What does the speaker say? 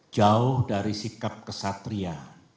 jauh dari sikap kesatria